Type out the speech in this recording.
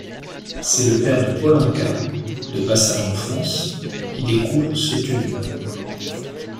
C’est le père de Paul Anka, de passage en France, qui découvre ce tube.